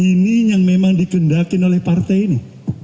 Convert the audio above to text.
ini yang memang dikendakin oleh partai ini